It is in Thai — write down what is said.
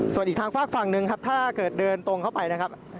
ส่วนอีกทางฝากฝั่งหนึ่งครับถ้าเกิดเดินตรงเข้าไปนะครับ